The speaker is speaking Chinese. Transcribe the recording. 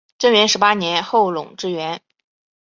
贞元十八年后垄之原。